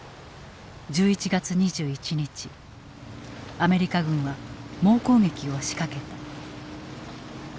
アメリカ軍は猛攻撃を仕掛けた。